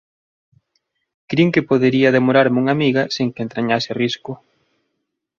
Crin que podería demorarme unha miga sen que entrañase risco.